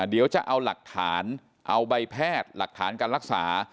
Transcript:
เดี๋ยวจะเอาหลักฐานเอาใบแพทย์หลักฐานการรักษา